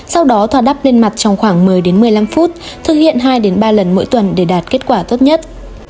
sau đó thỏa đáp lên mặt trong khoảng một mươi một mươi năm phút thực hiện hai ba lần mỗi tuần để đạt kết quả tốt nhất